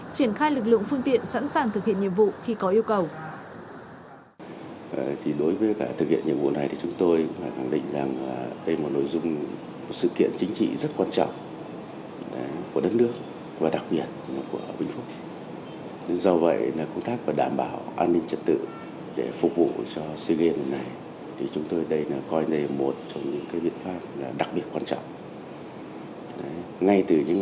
triển khai lực lượng phương tiện sẵn sàng thực hiện nhiệm vụ khi có yêu cầu